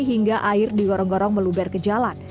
hingga air di gorong gorong meluber ke jalan